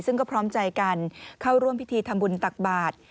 ซึ่งก็พร้อมใจกันเข้าร่วมพิธีทำบุญตักบาท